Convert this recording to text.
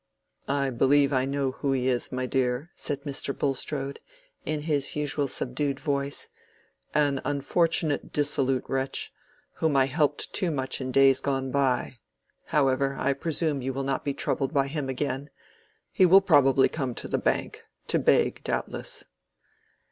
"I believe I know who he is, my dear," said Mr. Bulstrode, in his usual subdued voice, "an unfortunate dissolute wretch, whom I helped too much in days gone by. However, I presume you will not be troubled by him again. He will probably come to the Bank—to beg, doubtless."